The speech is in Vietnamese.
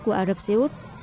của ả rập xê út